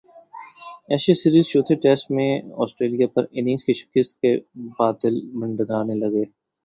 Ashes series چوتھے test میں Australia پر اننگز کی شکست کے بادل منڈلانے لگے